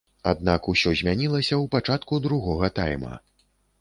Аднак усё змянілася ў пачатку другога тайма.